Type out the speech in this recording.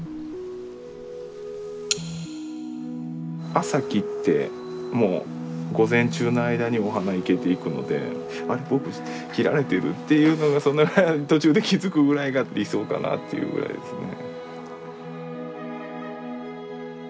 朝切ってもう午前中の間にお花生けていくので「あれ僕切られてる？」っていうのがそのぐらい途中で気付くぐらいが理想かなっていうぐらいですね。